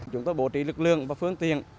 chúng tôi bổ trí lực lượng và phương tiện